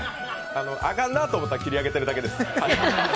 あかんなと思うたら切り上げてるだけです。